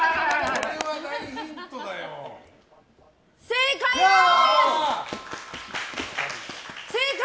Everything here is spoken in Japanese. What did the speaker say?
正解です！